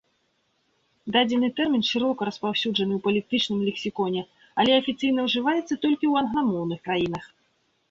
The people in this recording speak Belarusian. Дадзены тэрмін шырока распаўсюджаны ў палітычным лексіконе, але афіцыйна ўжываецца толькі ў англамоўных краінах.